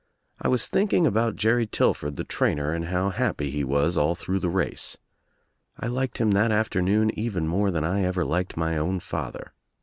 I was thinking about Jerry Tillford the trainer and how happy he was all through the race. I liked him that afternoon even more than I ever liked my own father.